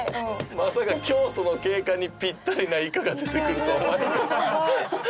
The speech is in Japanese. まさか京都の景観にぴったりなイカが出てくるとは思わなかった。